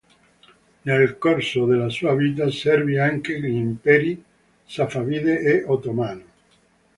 Nel corso della sua vita servì anche gli imperi safavide e ottomano.